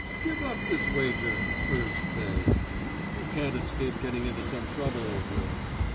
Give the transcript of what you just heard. "Give up this wager," urged they, "you can't escape getting into some trouble over it."